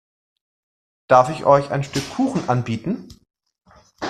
Darf ich euch ein Stück Kuchen anbieten?